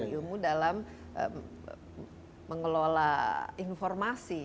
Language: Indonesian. ilmu dalam mengelola informasi